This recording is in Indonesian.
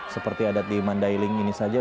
seperti adat di mandailing ini saja